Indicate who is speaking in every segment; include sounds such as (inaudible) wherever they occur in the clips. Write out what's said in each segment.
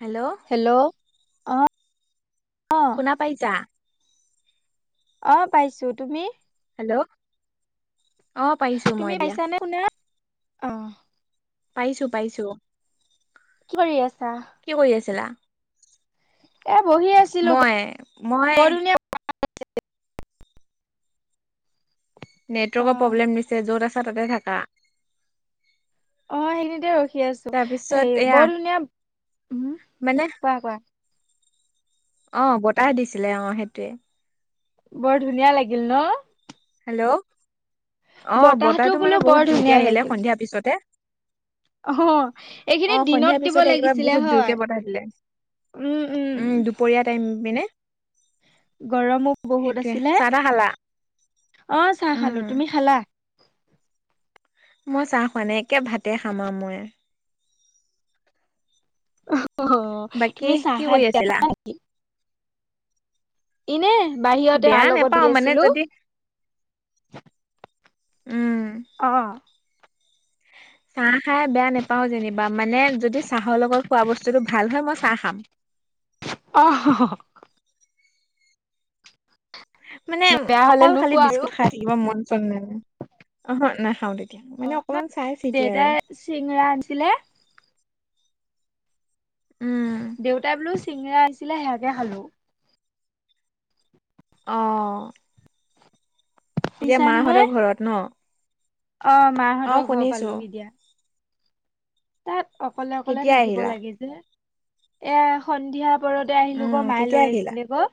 Speaker 1: Hello
Speaker 2: hello অ
Speaker 1: শুনা পাইছা?
Speaker 2: অ' পাইছোঁ। তুমি?
Speaker 1: হেল্ল'। অ পাইছো মই
Speaker 2: তুমি
Speaker 1: দিয়া
Speaker 2: পাইছানে শুনা? অ'।
Speaker 1: পাইছোঁ পাইছোঁ।
Speaker 2: কি কৰি আছা?
Speaker 1: কি কৰি আছিলা?
Speaker 2: এ বহি আছিলো
Speaker 1: মই, মই
Speaker 2: বৰ ধুনীয়া অ
Speaker 1: নেটৱৰ্কৰ প্ৰব্লেম দিছে, য'ত আছা তাতে থাকা।
Speaker 2: অ' সেইখিনিতে ৰখি আছোঁ,
Speaker 1: তাৰপিছত
Speaker 2: এই
Speaker 1: এয়া
Speaker 2: বৰ ধুনীয়া, উম,
Speaker 1: মানে
Speaker 2: কোৱা কোৱা।
Speaker 1: অ' বতাহ দিছিলে, অ' সেইটোৱে।
Speaker 2: বৰ ধুনীয়া লাগিল ন'?
Speaker 1: হেল্ল'। অ
Speaker 2: বতাহটো
Speaker 1: মানে
Speaker 2: বোলো
Speaker 1: বহুত
Speaker 2: বৰ
Speaker 1: জোৰকে
Speaker 2: ধুনীয়া
Speaker 1: আহিলে
Speaker 2: লাগিল।
Speaker 1: সন্ধিয়া পিছতে
Speaker 2: অ' এইখিনি
Speaker 1: অ সন্ধিয়া
Speaker 2: দিনত দিব
Speaker 1: পিছতে এইবাৰ
Speaker 2: লাগিছিলে
Speaker 1: বহুত জোৰকে
Speaker 2: হয়।
Speaker 1: বতাহ দিলে
Speaker 2: উম, উম।
Speaker 1: দুপৰীয়া টাইম পিনে
Speaker 2: গৰমো বহুত
Speaker 1: সেইটোয়ে
Speaker 2: আছিলে।
Speaker 1: চাহ তাহ খালা?
Speaker 2: অ' চাহ
Speaker 1: উম
Speaker 2: খালোঁ। তুমি খালা?
Speaker 1: মই চাহ খোৱা নাই, একে ভাতে খাম আৰু মই।
Speaker 2: অ' হ'
Speaker 1: বাকী
Speaker 2: তুমি চাহ
Speaker 1: কি
Speaker 2: খাই
Speaker 1: কৰি
Speaker 2: বয়া
Speaker 1: আছিলা?
Speaker 2: পোৱা নেকি? এনে বাহিৰতে মাৰ
Speaker 1: বেয়া
Speaker 2: লগত বহি
Speaker 1: নেপাও মানে
Speaker 2: আছিলো
Speaker 1: যদি উম।
Speaker 2: অ'।
Speaker 1: চাহ খাই বেয়া নোপাওঁ যেনিবা, মানে যদি চাহৰ লগত খোৱা বস্তুটো ভাল হয় মই চাহ খাম।
Speaker 2: অ'
Speaker 1: মানে
Speaker 2: বেয়া হলে
Speaker 1: অকল খালি
Speaker 2: নোখোৱা আৰু।
Speaker 1: বিস্কুট খাই কিবা মন চন নাই। অ'হ' নেখাও তেতিয়া মানে অকমান চাই চিতি আৰু।
Speaker 2: চিংৰা আনিছিলে
Speaker 1: উম
Speaker 2: দেউতাই বোলো চিঙৰা আনিছিলে সেয়াকে খালোঁ।
Speaker 1: অ'। এতিয়া
Speaker 2: শুনিছা নহয়
Speaker 1: মাহঁতৰ ঘৰত ন'?
Speaker 2: অ' মাহঁতৰ ঘৰ পালোহি দিয়া। তাত অকলে অকলে
Speaker 1: কেতিয়া
Speaker 2: থাকিব
Speaker 1: আহিলা
Speaker 2: লাগে যে, এয়া সন্ধিয়া ওপৰতে আহিলোঁ
Speaker 1: উম
Speaker 2: গ' মায়ে
Speaker 1: কেতিয়া
Speaker 2: লৈ
Speaker 1: আহিলা
Speaker 2: আহিছিলে কৌ।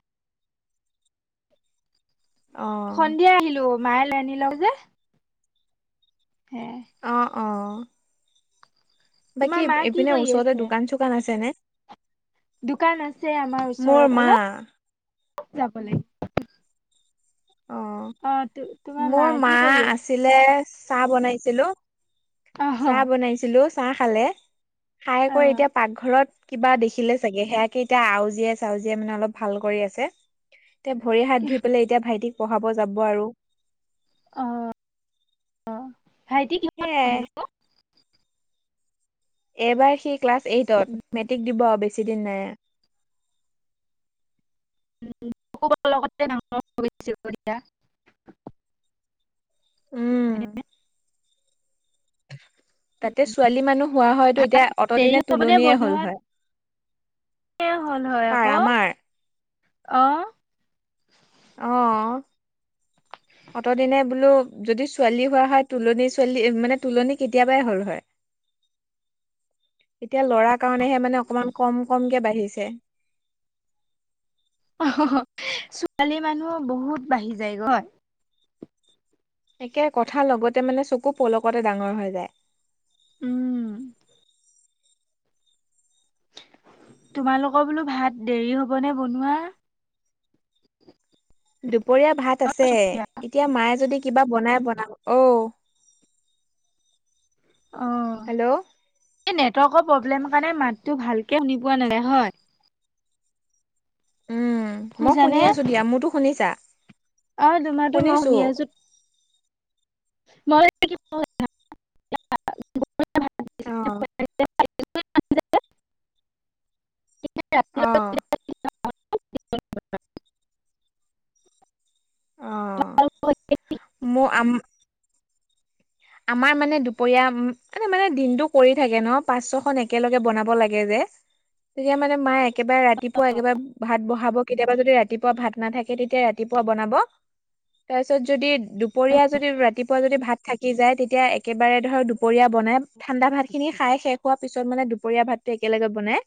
Speaker 1: অ
Speaker 2: সন্ধিয়া আহিলোঁ, মায়ে লৈ আনিলই যে। হে
Speaker 1: অ', অ'।
Speaker 2: তোমাৰ
Speaker 1: বাকী
Speaker 2: মা কি
Speaker 1: এইপিনে
Speaker 2: কৰি
Speaker 1: ওচৰতে
Speaker 2: আছে?
Speaker 1: দোকান চোকান আছে নে?
Speaker 2: দোকান আছে আমাৰ
Speaker 1: মোৰ
Speaker 2: ওচৰত,
Speaker 1: মা
Speaker 2: অলপ যাব লাগিব।
Speaker 1: অ'
Speaker 2: অ তোমাৰ
Speaker 1: মোৰ মা
Speaker 2: কি কৰি
Speaker 1: আছ
Speaker 2: আছে?
Speaker 1: ছিলে, চাহ বনাইছিলোঁ,
Speaker 2: অহ
Speaker 1: চাহ বনাইছিলোঁ চাহ খালে। খাই
Speaker 2: অ
Speaker 1: কৈ এতিয়া পাকঘৰত কিবা দেখিলে চাগে, সেয়াকে এতিয়া আউজীয়াই চাউজিয়াই মানে অলপ ভাল কৰি আছে। এতিয়া ভৰি হাত ধুই পেলাই এতিয়া ভাইটিক পঢ়াব যাব আৰু।
Speaker 2: ভাইটী কিহ
Speaker 1: সেয়াই এইবাৰ সি ক্লাছ এইটত, মেট্ৰিক দিব আৰু বেছি দিন নাই।
Speaker 2: (unintelligible)
Speaker 1: উম
Speaker 2: হয়নে?
Speaker 1: (inaudible) তাতে ছোৱালী মানুহ হোৱা হয়তো এতিয়া
Speaker 2: দেৰি
Speaker 1: অতদিনে
Speaker 2: হ'বনে
Speaker 1: তুলনীয়ে হ'ল হয়।
Speaker 2: এ, হ'ল হয়
Speaker 1: কাৰ
Speaker 2: আকৌ।
Speaker 1: আমাৰ
Speaker 2: অ'।
Speaker 1: অহ, অতদিনে বোলো যদি ছোৱালী হোৱা হয়, তোলনি ছোৱালী মানে তোলনি কেতিয়াবাই হল হয়। এতিয়া লৰা কাৰনেহে মানে অকমান কম-কমকে বাঢ়িছে।
Speaker 2: ছোৱালী মানুহ বহুত বাঢ়ি যায়গৈ।
Speaker 1: একে কথাৰ লগতে মানে চকু পলকতে ডাঙৰ হৈ যায়।
Speaker 2: উম, তোমালোকৰ বোলো ভাত দেৰি হবনে বনোৱা?
Speaker 1: দুপৰীয়া ভাত আছে, এতিয়া মায়ে যদি কিবা বনাই বনাব। অ,
Speaker 2: অ',
Speaker 1: হেল্ল'
Speaker 2: এই নেটৱৰ্কৰ প্ৰব্লেম কাৰণে মাতো ভাল কে শুনি পোৱা নাই হয়।
Speaker 1: উম মই শুনি
Speaker 2: শুনিছানে?
Speaker 1: আছো দিয়া। মোৰতো শুনিছা?
Speaker 2: অ, তোমাৰোটো মই
Speaker 1: শুনিছো
Speaker 2: শুনি আছোঁ। মই
Speaker 1: অ,
Speaker 2: (inaudible) ৰা
Speaker 1: অ
Speaker 2: (unintelligible)
Speaker 1: অ, মই আম আমাৰ মানে দুপৰীয়া মানে-মানে দিনতটো কৰি থাকে ন, পাঁচ ছয় খন একেলগে বনাব লাগে যে। তেতিয়া মানে মায়ে একেবাৰে ৰাতিপুৱা একেবাৰে ভাত বহাব। কেতিয়াবা যদি ৰাতিপুৱা ভাত নাথাকে, তেতিয়া ৰাতিপুৱা বনাব। তাৰ পিছত, যদি দুপৰীয়া যদি ৰাতিপুৱা যদি ভাত থাকে। থাকি যায়, তেতিয়া একেবাৰে ধৰ দুপৰীয়া বনাই। ঠাণ্ডা ভাত খিনি খাই শেষ হোৱা পিছত মানে দুপৰীয়া ভাতটো একেলগে বনাই।